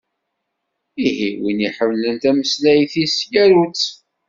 Ihi, win iḥemmlen tameslayt-is yaru-tt!